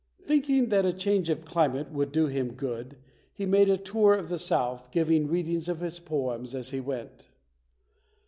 Thinking that a change of climate would do him good, he made a tour of the South, giving readings of his poems as he went.